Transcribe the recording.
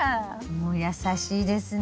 もう優しいですね。